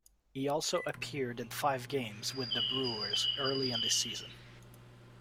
He also appeared in five games with the Brewers early in the season.